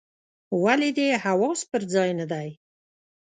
ولي دي حواس پر ځای نه دي ؟